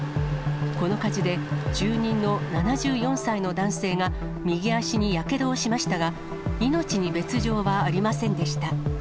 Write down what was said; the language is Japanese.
この火事で、住人の７４歳の男性が、右足にやけどをしましたが、命に別状はありませんでした。